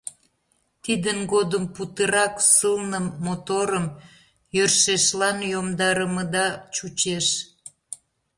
Тидын годым путырак сылным, моторым йӧршешлан йомдарымыда чучеш.